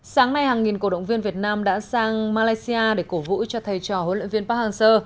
sáng nay hàng nghìn cổ động viên việt nam đã sang malaysia để cổ vũ cho thầy trò huấn luyện viên park hang seo